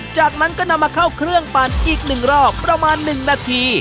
จากนั้นก็นำมาเข้าเครื่องปั่นอีก๑รอบประมาณ๑นาที